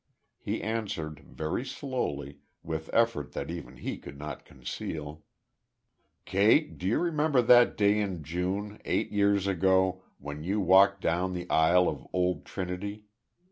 He answered, very slowly with effort that even he could not conceal: "Kate, do you remember that day in June, eight years ago, when you walked down the aisle of Old Trinity.